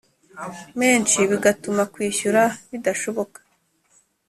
menshi, bigatuma kwishyura bidashoboka.